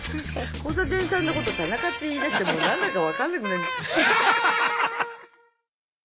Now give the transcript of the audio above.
交差点さんのこと「田中」って言いだしてもう何だか分かんなくなっちゃった。